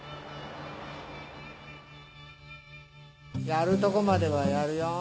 やるとこまではやるよ。